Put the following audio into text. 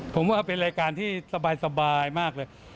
ผมว่าเป็นรายการที่สบายมากเลย